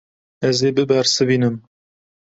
Ez ê bibersivînim.